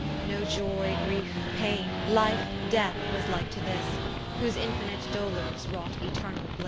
No joy, griefe, paine, life, death, was like to his, Whose infinite dolours wrought eternall blisse.